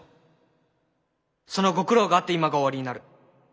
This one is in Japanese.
そのご苦労があって今がおありになる。